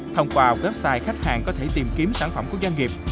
thông qua website khách hàng có thể tìm kiếm sản phẩm của doanh nghiệp